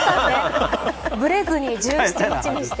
ぶれずに１７日にして。